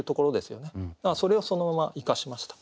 だからそれをそのまま生かしました。